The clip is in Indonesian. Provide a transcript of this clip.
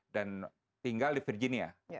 dan tinggal di virginia